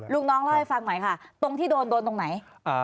ลูกน้องเล่าให้ฟังหน่อยค่ะตรงที่โดนโดนตรงไหน